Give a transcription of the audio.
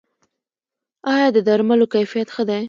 آیا د درملو کیفیت ښه دی؟